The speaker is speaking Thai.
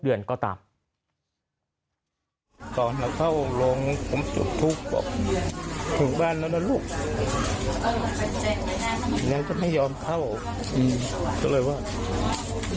เดือนก็ตาม